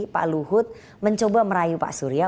pak luhut mencoba merayu pak surya